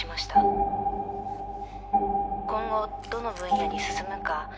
今後どの分野に進むか。